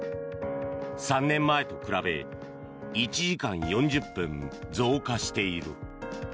３年前と比べ１時間４０分増加している。